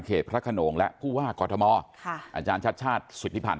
เขตพระโครงและผู้ว่ากอธมออชฉาตรสุทธิพันธ์